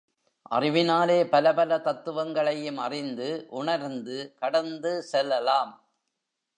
அறிவினாலே பல பல தத்துவங்களையும் அறிந்து, உணர்ந்து கடந்து செல்லலாம்.